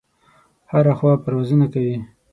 هره خوا پروازونه کوي.